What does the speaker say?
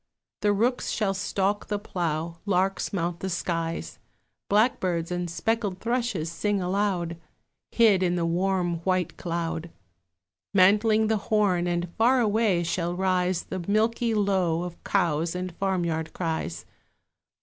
The rooks shall stalk the plough, larks mount the skies, Blackbirds and speckled thrushes sing aloud, Hid in the warm white cloud Mantling the thorn, and far away shall rise The milky low of cows and farm yard cries.